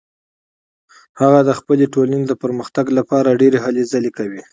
هغه د خپلې ټولنې د پرمختګ لپاره ډیرې هلې ځلې کوي